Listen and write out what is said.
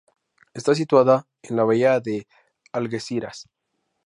Está situada en la Bahía de Algeciras.